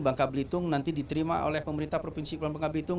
bangka belitung nanti diterima oleh pemerintah provinsi bangka belitung